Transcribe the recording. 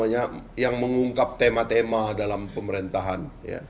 yang mengungkap tema tema dalam pemerintahan